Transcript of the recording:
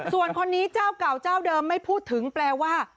ส่วนคนนี้เจ้าเก่าเจ้าเดิมไม่พูดถึงแปลว่า